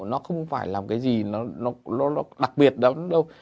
nó không phải làm cái gì nó đặc biệt đâu